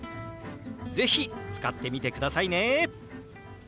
是非使ってみてくださいね！